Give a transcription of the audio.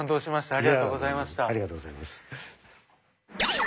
ありがとうございます。